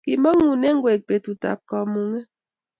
kimangune koek betut ab kamunget